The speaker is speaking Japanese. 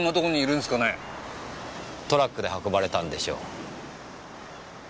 トラックで運ばれたんでしょう。